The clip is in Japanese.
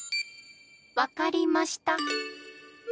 わかりました！